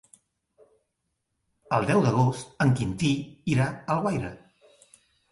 El deu d'agost en Quintí irà a Alguaire.